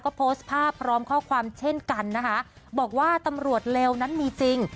ก็โพสต์ภาพพร้อมข้อความเช่นกันนะคะบอกว่าตำรวจเลวนั้นมีจริง